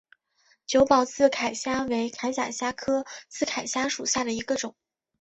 久保刺铠虾为铠甲虾科刺铠虾属下的一个种。